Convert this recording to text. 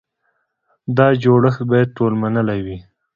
دا جوړښت باید ټول منلی وي.